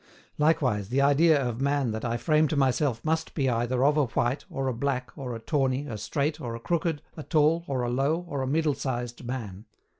Likewise the idea of man that I frame to myself must be either of a white, or a black, or a tawny, a straight, or a crooked, a tall, or a low, or a middle sized man.